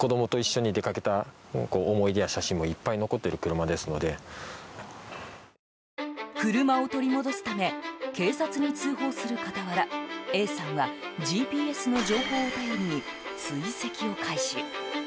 車を取り戻すため警察に通報する傍らＡさんはＧＰＳの情報を頼りに追跡を開始。